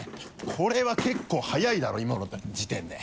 これは結構速いだろ今の時点で。